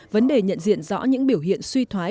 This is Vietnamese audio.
vấn đề nhận diện rõ những biểu hiện suy thoái